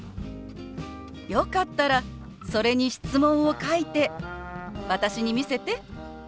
よかったらそれに質問を書いて私に見せて。